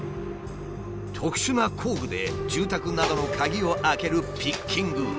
特殊な工具で住宅などの鍵を開けるピッキング。